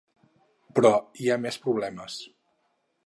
Però hi ha més problemes.